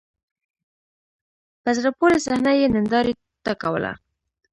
په زړه پوري صحنه یې نندارې ته کوله.